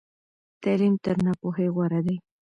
تعلیم تر ناپوهۍ غوره دی.